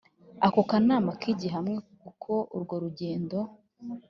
ako kanama kigiye hamwe uko urwo rugendo